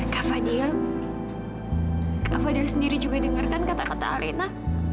kak fadhil kak fadhil sendiri juga dengar kan kata kata alena